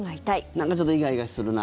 なんかちょっとイガイガするな。